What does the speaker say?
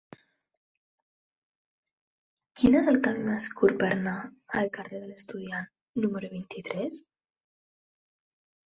Quin és el camí més curt per anar al carrer de l'Estudiant número vint-i-tres?